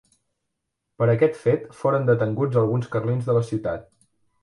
Per aquest fet foren detenguts alguns carlins de la ciutat.